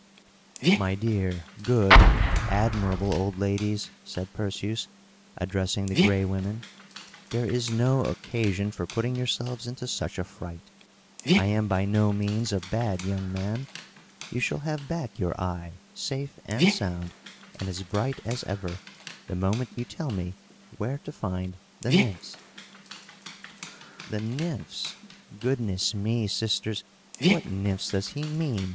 "My dear, good, admirable old ladies," said Perseus, addressing the Gray Women, "there is no occasion for putting yourselves into such a fright. I am by no means a bad young man. You shall have back your eye, safe and sound, and as bright as ever, the moment you tell me where to find the Nymphs." "The Nymphs! Goodness me! sisters, what Nymphs does he mean?"